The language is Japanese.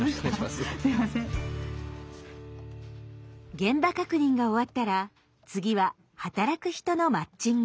現場確認が終わったら次は働く人のマッチング。